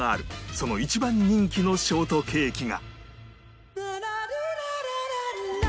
その一番人気のショートケーキが